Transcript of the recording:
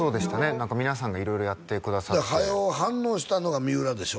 何か皆さんが色々やってくださって早う反応したのが三浦でしょ？